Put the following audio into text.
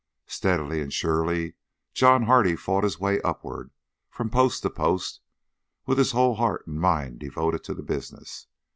Steadily and surely John Hardy fought his way upward from post to post, with his whole heart and mind devoted to the business.